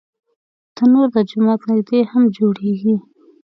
تنور د جومات نږدې هم جوړېږي